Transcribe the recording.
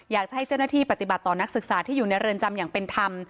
อยากให้เจ้าหน้าที่ปฏิบัติต่อนักศึกษาที่อยู่ในเรือนจำอย่างเป็นธรรม